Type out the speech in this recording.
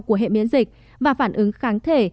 của hệ miễn dịch và phản ứng kháng thể